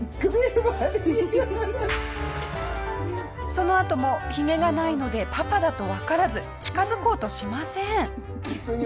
そのあともヒゲがないのでパパだとわからず近づこうとしません。